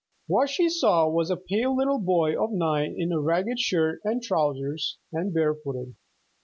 What she saw was a pale little boy of nine in a ragged shirt and trousers, and barefooted.